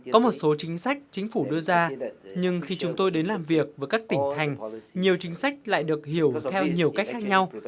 có một số chính sách chính phủ đưa ra nhưng khi chúng tôi đến làm việc với các tỉnh thành nhiều chính sách lại được hiểu theo nhiều cách khác nhau